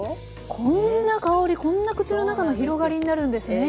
こんな香りこんな口の中の広がりになるんですね